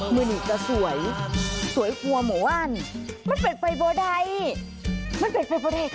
เมื่อนี้ก็สวยสวยกว่าหมอว่านมันเป็นไปเพราะใดมันเป็นไปเพราะใดค่ะ